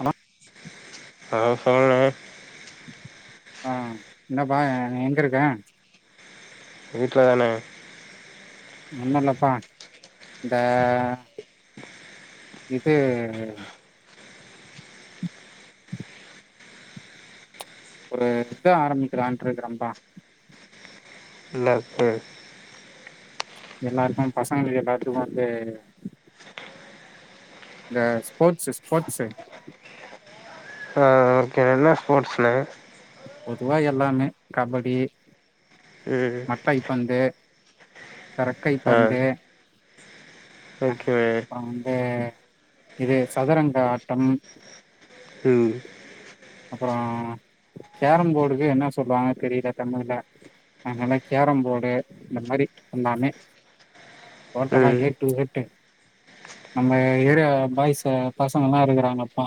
ஆனா ஹலோ சொல்ண்ணே உம் என்னப்பா நீ எங்கருக்க வீட்ல தாணே ஒன்னுல்லப்பா இந்த இப்ப ஒரு இது ஆரம்பிக்கலான்ட்ருக்கறம்ப்பா லட்டு எல்லார்க்கு பசங்க எல்லாத்துக்கு வந்து இந்த ஸ்போட்ஸு ஸ்போட்ஸு ஆஹ் ஓகேண்ண என்ன ஸ்போட்ஸ்ணே பொதுவா எல்லாமே கபடி ம் மட்டைப் பந்து ரக்கைப் ஆ பந்து அஹ் ஓகேண்ணே அப்றோ வந்து இது சதுரங்க ஆட்டம் உம் அப்றோ கேரம் போடுக்கு என்ன சொல்லுவாங்க தெரியில தமிழ்ல அதனால கேரம் போடு இந்த மாரி எல்லாமே டோட்டலா ம் ஏ டூ ஜெட்டு நம்ம ஏரியா பாய்ஸு பசங்கெல்லா இருக்கறாங்கப்பா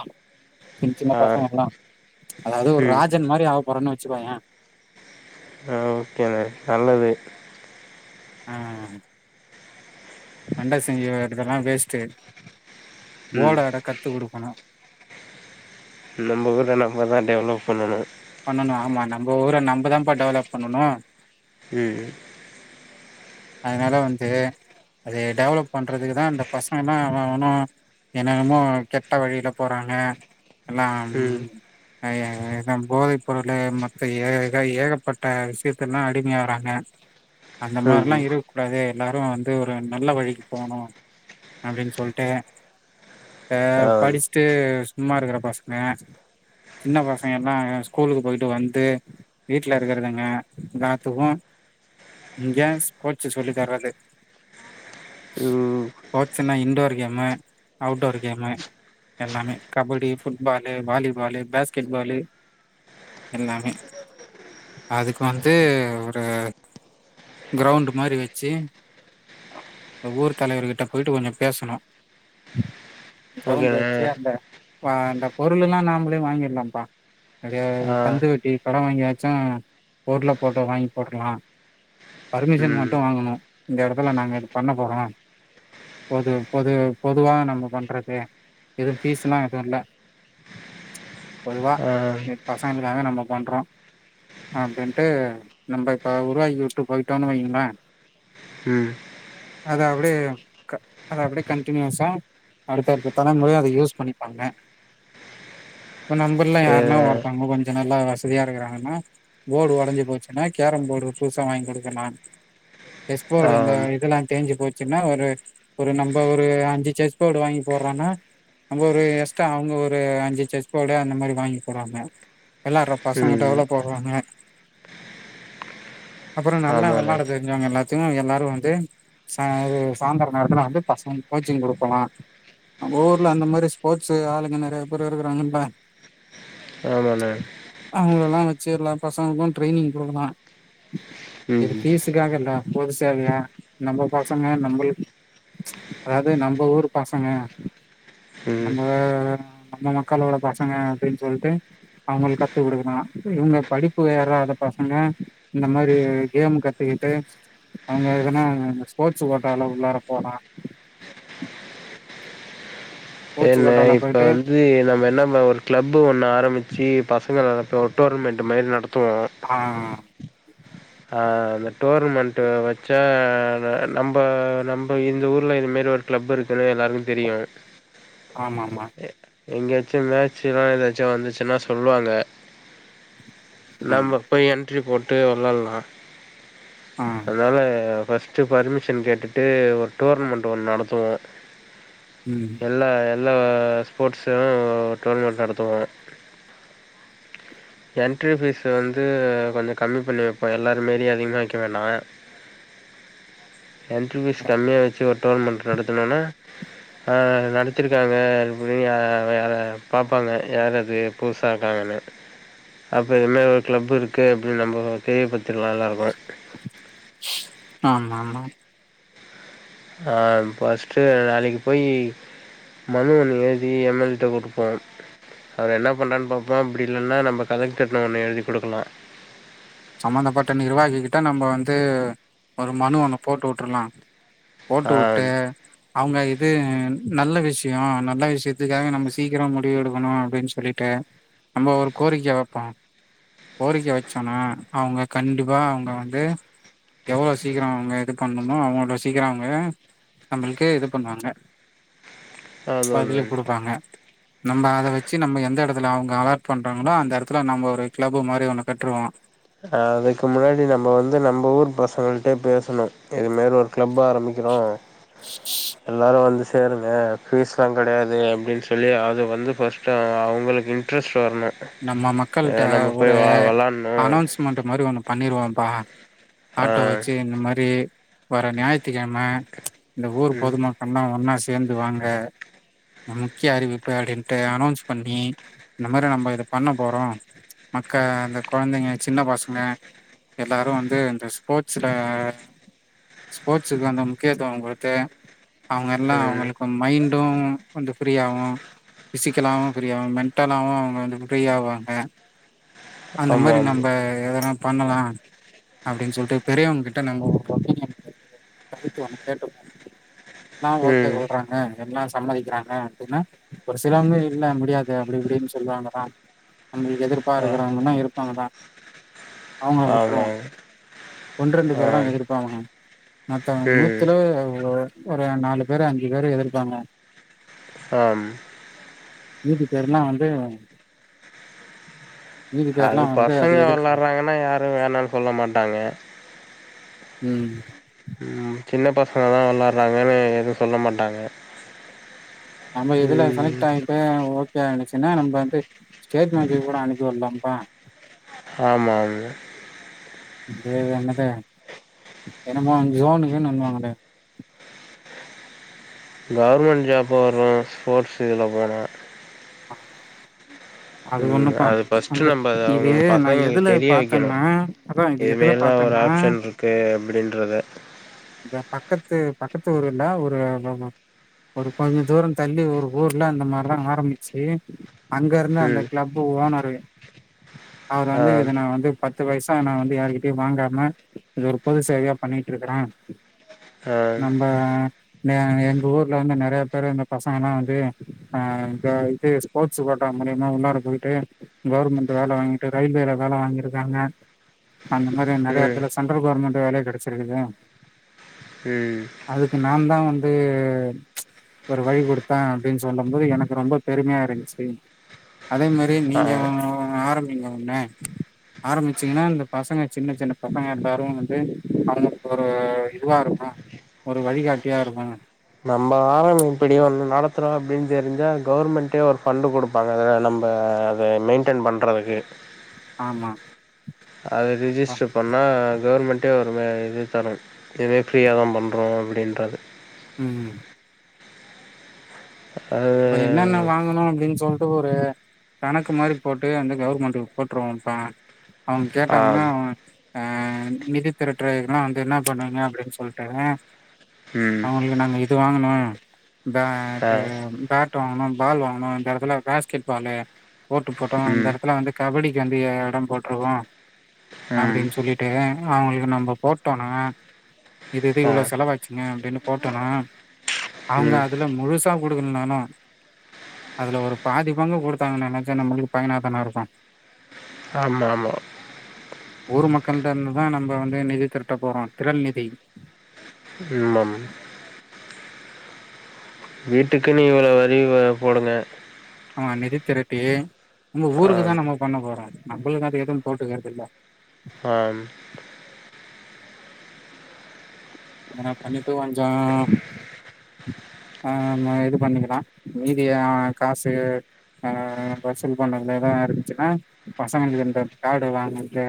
சின் சின்ன ஆ பசங்கெல்லா அதாவது ஒரு ம் ராஜன் மாரி ஆவப்போறன்னு வெச்சுக்கோயே ஆ [unintelligible] நல்லது உம் அண்ட செஞ்சு வர்ரதெல்லா வேஸ்ட்டு ம் வோல்டு ரெக்காட் த்து குடுக்கணு ஊர நம்ம தா டெவலப் பண்ணணு பண்ணனு ஆமா நம்ம ஊர நம்ப தாம்ப்பா டெவலப் பண்ணனு ம் அதுனால வந்து அதய டெவலப் பண்றதுக்கு தா இந்த பசங்கெல்லா எவ எவனோ என்னென்னமோ கெட்ட வழில போறாங்க எல்லா ம் ஏ எது போதை பொருளு மத்த ஏக ஏகப்பட்ட விஷயதெல்லா அடிமையாகறாங்க அந்த மார்லா ம் இருக்கூடாது எல்லாரு வந்து ஒரு நல்ல வழிக்கு போனு அப்டின் சொல்ட்டு அ ஆ படுச்ட்டு சும்மா இருக்கற பசங்க சின்ன பசங்கெல்லா ஸ்கூலுக்கு போய்ட்டு வந்ட்டு வீட்ல இருக்கறதுங்க எல்லாதுக்கு இங்க கோச்சு சொல்லி தர்ரது ம் கோச்சுன்னா இன்டோர் கேமு, அவுடோர் கேமு எல்லாமே kabaddi, football, volleyball, basketball எல்லாமே அதுக் வந்து ஒரு க்ரௌண்டு மாரி வெச்சி த ஊர் தலைவர்கிட்ட போய்ட்டு கொஞ்சோ பேசணு க்ரௌண்டு் ஓகேண்ணே வெச்சு அந்த வ அந்த பொருளெல்லா நாம்லே வாங்கிர்லாம்ப்பா அப்டியே ஆ கந்துவட்டி கட வாங்கியாச்சு பொருள போட்டு வாங்கி போட்ருலா பர்மிஷன் ம் மட்டு வாங்கணு இந்த எடத்துல நாங்க இது பண்ண போறோ பொது பொது பொதுவா நம்ம பண்றது எது ஃபீஸ்லா எதுவு இல்ல பொதுவா ஆ இந் பசங்களுக்காக நம்ம பண்றோ அப்டின்ட்டு நம்ப இப்ப உருவாக்கி உட்டு போய் டோன்னு வெய்ங்களே ம் அது அப்டியே க அது அப்டியே கன்ட்டினியூசா அடுத்தடுத்த தலமுறையு அத யூஸ் பண்ணிப்பாங்க இப்ப நம்பூர்ல சரிண்ணே யார்ல்லா [unintelligible] கொஞ்சோ நல்லா வசதியா இருக்கறாங்களோ போடு ஒடஞ்சு போச்சுனா கேரம் போடு புதுசா வாங் குடு தர்லா செஸ்போடு ஆ அந்த ம் இதெல்லா தேஞ்சு போச்சுன்னா ஒரு ஒரு நம்ப ஒரு அஞ்சு செஸ் போடு வாங்கி போட்றோன்னா நம்ம ஒரு எக்ஸ்டா அவங்க ஒரு அஞ்சு செஸ் போடு அந்த மாரி வாங்கி போடுவாங்க எல்லாரு பசங்க டெவலப் ஆவாங்க அப் அப்றோ நல்ல ஆமாண்ணே வெளாட தெரிஞ்சவுங்கெல்லாரு [unintelligible] எல்லாரு வந்து ச இது சாய்ந்தர நேரத்துல வந்து பசங்க கோச்சிங் குடுக்கலா நம்ம ஊர்ல அந்த மாரி ஸ்போட்ஸ் ஆளுங்க நெறைய பேர் இருக்கறாங்கில்ல ஆமாண்ணே அவுங்கலெல்லா வெச்சு எல்லா பசங்ளுக்கு ட்ரைனிங் குடுக்கலா இது ம் ஃபீஸுக்காகல்ல பொதுசேவையா நம்ப பசங்க நம்முளு ம்ச் அதாது நம்ப ஊரு பசங்க ம் நம்ப நம்ம மக்களோட பசங்க அப்டின்னு சொல்ட்டு அவுங்ளுக் கத்து குடுக்குனு இது இவுங்க படிப்பு ஏறாத பசங்க இந்த மாரி கேம் கத்துகுட்டு அவுங்க எதனா ஸ்போட்ஸ் கோட்டால உள்ளார போலா ஸ்போர்ட்ஸ் என்ன கோட்டால இப்ப போயிட்டு வந்து எ நம்ம என்ன மா ஒரு க்ளப்பு ஒண்ணு ஆரம்புச்சு பசங்க இப்ப ஓர் டோர்னமெண்ட் மாரி நடத் துவொ ஆ அ அந்த டோர்னமெண்ட் வச்சா நம்ப நம்ப இந்த ஊர்ல இது மாரி ஒரு கிளப் இருக்குன்னு எல்லாருக்கு தெரியு ஆமாமா எங்கயாச்சும் மேட்ச் லா ஏதாச்சும் வந்துச்சுன்னா சொல்லுவாங்க ம் நம்ம போய் எ ன்ட்ரி போட்டு விளாடலா ஆ அதனால ஃபர்ஸ்ட்டு பர்மிஷன் கேட்டுட்டு ஒரு டோர்னமெண்ட் ஒன்னு நடத்துவோ ம் எல்லா எல்லா ஸ்போர்ட்ஸவு டோர்னமெண்ட் நடத்துவோ என்ட்ரி ஃபீஸ் வந்து கொஞ்ச கம்மி பண்ணி வைப்போ எல்லாரு மாறி அதிகமா வெக்க வேணா என்ட்ரி ஃபீஸ் கம்மியா வச்சு ஒரு டோர்னமெண்ட் நடத்தணுனா நடத்திருக்காங்க அப்படின்னு யார பார்ப்பாங்க யார் அது புதுசா இருக்காங்கன்னு அப்போ இதுமாரி ஒரு கிளப் இருக்கு அப்படின்னு நம்ம தெரியபடுத்திலா எல்லாருக்கு [inaudible] ஆமா ஆமா ஆ ஃபர்ஸ்ட்டு வேலைக்கு போய் மனு ஒன்னு எழுதி எம் எல் ஏ ட்ட குடுப்போ அவர் என்ன பண்றார்னு பாப்போம் அப்டி இல்லன்னா நம்ம கலெக்டர்ட ஒன்னு எழுதி குடுக்கலா சம்மந்தப்பட்ட நிர்வாகி கிட்ட நம்ப வந்து ஒரு மனு ஒன்னு போட்டு வுட்ரலா போட்டு வுட்டு அவங்க இது நல்ல விஷய நல்ல விஷயத்துக்காக நம்ம சீக்கிர முடிவு எடுக்கணு அப்படின்னு சொல்லிட்டு நம்ம ஒரு கோரிக்கை வெப்போ கோரிக்க வச்சோனா அவங்க கண்டிப்பா அவங்க வந்து எவ்ளோ சீக்கிரம் அவங்க இது பண்ணணுமோ அவளோ சீக்கிரம் அவங்க நம்மளுக்கு இது பண்ணுவாங்க அது பதிலு ஒன்று குடுப்பாங்க நம்ம அத வச்சு நம்ம எந்த எடத்துல அவங்க அலர்ட் பண்றாங்களோ அந்த எடத்துல நம்ம ஒரு கிளப்பு மாதிரி ஒண்ணு கட்டுருவோ அதுக்கு முன்னாடி நம்ம வந்து நம்ப ஊர் பசங்கள்ட்ட பேசணு இதுமாரி ஒரு கிளப் ஆரம்பிக்கிறோ எல்லாரு வந்து சேருங்க ஃபீஸ்லா கெடையாது அப்படின் சொல்லி அது வந்து ஃபர்ஸ்ட்டு அவங்களுக்கு இன்ட்ரெஸ்ட் வரணு நம்ம மக்கள்ட்ட நம்ம போய் ஒரு வ வெளாட்ணு அனௌன்ஸ்மெண்ட் மாரி ஒண்ணு பண்ணிருவோம்ப்பா ஆ ஆட்டோ வச்சு இந்த மாரி டி வர ஞாயித்துகெழம இந்த ஊர் ம் பொதுமக்கள்லா ஒன்னா சேந்து வாங்க முக்கிய அறிவிப்பு அப்படின்ட்டு அனோன்ஸ் பண்ணி இந்த மாதி நம்ப பண்ண போறோ மக்க அந்த கொழந்தைங்க சின்ன பசங்க எல்லாரு வந்து இந்த ஸ்போர்ட்ஸில ஸ்போர்ட்ஸுக்கு அந்த முக்கியத்துவ குடுத்து அவங்க எல்லா ம் அவங்களுக்கு மைண்டும் வந்து ஃப்ரீயாகு ஃபிசிக்கலாவு ஃப்ரீயாகு மெண்டலாவும் அவுங்க வந்து ஃப்ரி ஆவாங்க அந்த ஆமா மாதிரி நம்ப ஆமா எதென்னா பண்ணலாம் அப்படின்னு சொல்லிட்டு பெரியவங்க கிட்ட நம்ம ஒப்பீனியன் கருத்து ஒன்னு கேட்டுக்குவோ நா ஓகே ம் சொல்ற எல்லா சம்மதிக்கிறாங்க அப்படின்னா ஒரு சிலவங்க இல்ல முடியாது அப்படி இப்படின்னு சொல்லுவாங்கதா நம்புளுக்கு ஆ எதிர்ப்பார்க்குறாங்கன்னா இருப்பாங்கதா அவுங்கள உட்ருவோ ஆமா ஒன்ரெண்டு பேர ஆ தா எதுர்ப்பாங்க மத்தவங்க ம் நூத்துல ஒரு ஒரு நாலு பேரு அஞ்சு பேரு எதுர்ப்பாங்க ஆம் மீதி பேர்ல்லா வந்து மீதி அது பேர்லா வந்து பசங்க அது எதிர்க்கு விள்ளாட்றாங்கன்னா யாரு வேனான் சொல்ல மாட்டாங்கெ ம் சின்ன பசங்க தா விள்ளாடுறாங்கன்னு எது சொல்ல மாட்டாங்க நம்ம இதுல ம் செலெக்ட் ஆயிட்டு ஓக்கே ஆயிடுச்சுன்னா நம்ப வந்து ஸ்டேட் மேட்ச் கூட அனுப்பி உட்லாம்ப்பா ஆமா உ பேரு என்னது என்னமோ ஜோனுகீனுன்னுவாங்களே கவர்மெண்ட் ஜாப் வரு ஸ்போர்ட்ஸ் இதுல போனா அது ம் ஒண்ணுப்பா அது ஃபர்ஸ்ட்டு அந்த நம்ம இது அவுங்களுக்கு நா எதுல பசங்களுக்கு தெரிய வெக்கணு பாத்தேன்னா அதா இது எதுல இதெல்லா ஒரு பாத்தேன்னா ஆப்ஷன் இருக்கு அப்படின்றத இப்ப பக்கத்து பக்கத்து ஊர்ல ஒரு ஒரு ஒரு கொஞ்ச தூர தள்ளி ஒரு ஊர்ல அந்த மாரிதா ஆரமி சே அங்க இருந்து அந்த ம் கிளப் ஓனர் அவர் ஆ வந்து இத நா வந்து பத் து பைசா நா வந்து யாருகிட்டயு வாங்காம இது ஒரு பொது சேவையா பண்ணிட்ருக்கறே ஆ நம்ம எ எங்க ஊர்ல வந்து நெறைய பேர் இந்த பசங்கல்லா வந்து ஆ இங்க இது ஸ்போர்ட்ஸ் கோட்டா மூலியமா உள்ளாார போய்ட்டு கவர்மெண்ட் வேல வாங்கிட்டு ரயில்வேல வேல வாங்கிருக்காங்க அந்த மாரி நெறையா ம் எடத்துல சென்ட்ரல் கவர்மெண்ட் வேலயே கெடச்சிருக்குது ம் அதுக்கு நாந்தா வந்து ஒரு வழி குடுத்த அப்டின் சொல்லம் போது எனக்கு ரொம்ப பெருமையா இருந்ச்சு அதே மாரி நீங்க ஆ ஆரம்பிங்க ஒண்ணு ஆரம்பிச்சிங்னா இந்த பசங்க சின்ன சின்ன பசங்க எல்லாரு வந்து அவங்களுக்கு ஒரு இதுவா இருக்கு ஒரு வழிகாட்டியா இருக்கு நம்ம ஆரம் இப்படி ஒண்ணு நடத்துறோன் அப்படின் தெரிஞ்சா கவர்மெண்ட்டே ஒரு ஃபண்டு குடுப்பாங்கங்க நம்ப அத மெய்ன்ட்டென் பண்றதுக்கு ஆமா அத ரிஜிஸ்டர் பண்ணா கவர்மெண்ட்டே ஒரு ம இது தரு இதுவே ஃப்ரீயாதா பண்றோ அப்டின்றது ம் இப்ப என்னென்ன அது வாங் கனு அப்டின் சொல்ட்டு ஒரு கணக்கு மாரி போட்டு வந்து கவுர்மெண்ட்டுக்கு போட்ருவோம்ப்பா அவுங் ஆ கேட்டாங்கனா அவுங்க ஆஹ் நிதி திரட்டு இதுலா வந்து என்ன பண்ணுவீங்க அப்படின்னு சொல்லிட்டுங்க ம் அவங்களுக்கு நாங்கள் இது வாங்கணும் ஆ இத பேட் வாங்கணும் பால் வாங்கணோம் இந்த இடத்துல பேஸ்கெட் பாலு கோர்ட் போட்டோம் இந்த ம் இடத்துல வந்து கபடிக்கு வந்து இடம் போட்டுருவோம் ம் அப்படின்னு சொல்லிட்டு அவங்களுக்கு நம்ம போட்டோனா இது இது ஆ இவ்வளோ செலவாச்சுங்க அப்படின்னு போட்டோனா அவங்க ம் அதில முழுசாக கொடுக்கலைனாலும் அதுல ஒரு பாதி பங்கு கொடுத்தாங்கன்னாக்கா நம்மளுக்கு பயனாதானே இருக்கும் ஆம்மா ஆமா ஊர் மக்கள்ட இருந்துதான் நம்ம வந்து நிதி திரட்ட போறோம் திரள் நிதி ஆமாம் வீட்டுக்குன்னு இவ்வளவு வரி போடுங்க ஆமா நிதி திரட்டி நம்ம ஊருக்கு ஆம் தான் நம்ம பண்ண போறோம் நம்மளுக்கது எதுவும் போட்டுக்கறது இல்ல ஆம் இதல்ல பண்ணிட்டு கொஞ்சம் ஆஹ் நம்ம இது பண்ணிக்கலாம் மீதிய காசு ஆஹ் வசூல் பண்றதுல எதா இருந்துச்சுன்னா பசங்கின்றது கார்டு வாங்கறது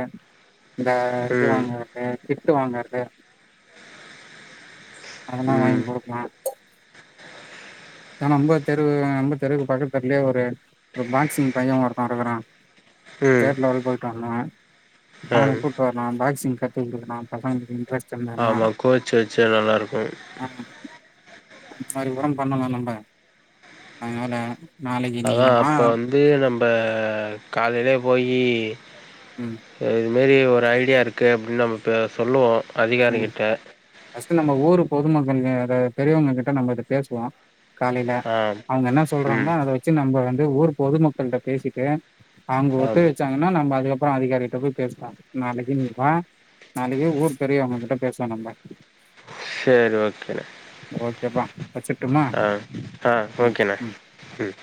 இந்த இது ம் வாங்கறது கிட்டு வாங்கறது அதெல்லாம் ம் வாங்கி குடுக்கலாம் ஹா நம்ப தெருவு நம்ப தெருவுக்கு பக்கத்துலயே ஒரு ஒரு பாக்சிங் பையன் ஒருத்தா இருக்கிறான் ம் ஸ்டேட் லெவல் போயிட்டு வந்தான் ஆ அவனை கூட்டு வரலான் பாக்சிங் கத்துக்கெடலாம் பசங்களுக்கு இன்ட்ரெ ஆமா கோச்சு வச்சு நல்லா இருக்கும் ஆ அந்த மாரி உரம் பண்ணலாம் நம் ஆ அதனால நாளைக்கு அதா நீங்க வா அப்ப வந்து நம் இப்போ காலில போயீ ம் சேரி இந் மாரி ஒரு ஐடியா இருக்கு அப்படின்னு நம்ம இப்போ சொல்லுவோம் ம் அதிகாரிக்கிட்ட ஃபஸ்டு நம்ம ஊ பொதுமக்கள் பெரியவங்க கிட்ட நம்ம இத பேசுவோம் காலையில ஆ அவங்க என்ன சொல்றாங்களோ ம் அத வச்சு நம்ம வந்து ஊர் பொதுமக்கள்கிட்ட பேசிட்டு அவங்க ஆ ஒத்துழைச்சங்கன்னா நம்ம அதுக்கப்புறம் அதிகாரிகிட்ட போய் பேசுவோம் நாளைக்கு நீ வா நாளைக்கு ஊர் சரிய அவங்ககிட்ட பேசுவும் நம்ம செரி ஓகே. ஓகேப்பா வச்சுட்டுமா ஆ ஆ ம் ம் ஓகேண்ணா ம்.